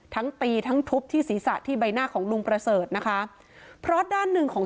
ทั้งตีทั้งทุบที่ศีรษะที่ใบหน้าของลุงประเสริฐนะคะเพราะด้านหนึ่งของ